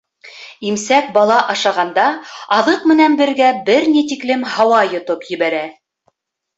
Имсәк бала ашағанда аҙыҡ менән бергә бер ни тиклем һауа йотоп ебәрә.